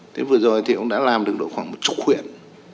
thế vừa rồi thì cũng đã làm được khoảng một mươi huyện